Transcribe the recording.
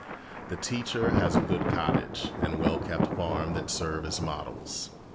The teacher has a good cottage and well kept farm that serve as models.